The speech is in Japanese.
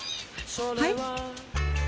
はい？